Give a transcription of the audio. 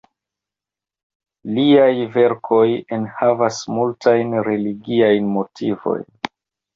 Liaj verkoj enhavas multajn religiajn motivojn.